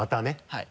はい。